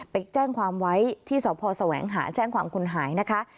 ไปแจ้งความไว้ที่สพแสวงหาแจ้งความคนหายนะคะ